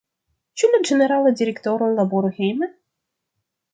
Ĉu la Ĝenerala Direktoro laboru hejme?